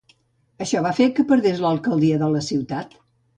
Això va fer que perdés l'alcaldia de la ciutat.